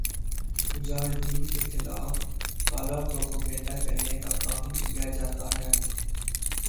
مجاہدین کے خلاف کالا پروپیگنڈا کرنے کا کام لیا جاتا ہے